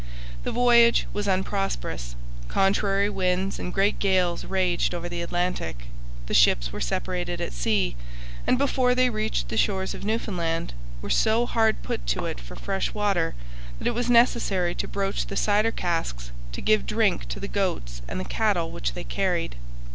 The voyage was unprosperous. Contrary winds and great gales raged over the Atlantic. The ships were separated at sea, and before they reached the shores of Newfoundland were so hard put to it for fresh water that it was necessary to broach the cider casks to give drink to the goats and the cattle which they carried.